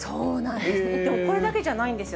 でもこれだけじゃないんですよ。